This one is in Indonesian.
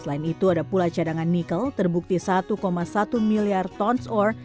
selain itu ada pula cadangan nikel terbukti satu satu miliar tons ore